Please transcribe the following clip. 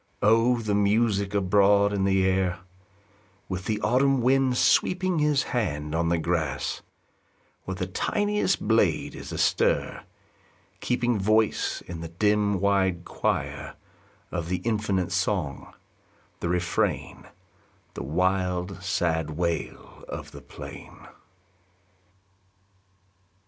O the music abroad in the air, With the autumn wind sweeping His hand on the grass, where The tiniest blade is astir, keeping Voice in the dim, wide choir, Of the infinite song, the refrain, The wild, sad wail of the plain